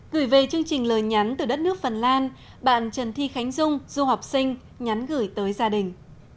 gửi về chương trình lời nhắn từ đất nước phần lan bạn trần thi khánh dung du học sinh nhắn gửi tới gia đình